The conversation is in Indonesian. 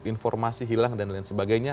informasi hilang dan lain sebagainya